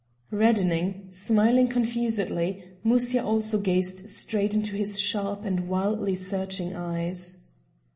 Reddening, smiling confusedly, Musya also gazed straight into his sharp and wildly searching eyes.